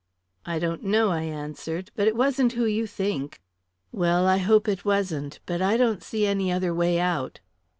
"I don't know," I answered. "But it wasn't who you think." "Well, I hope it wasn't but I don't see any other way out."